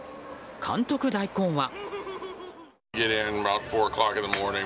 監督代行は。